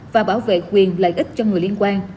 và bảo vệ quyền lợi ích cho người liên quan